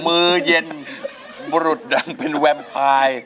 มือเย็นบรุษดังเป็นแวมพาย